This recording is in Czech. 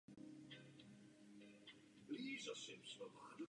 Po válce byl její vrak sešrotován.